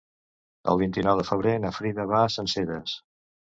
El vint-i-nou de febrer na Frida va a Sencelles.